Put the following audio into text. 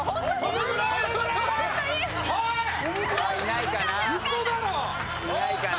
いないかな？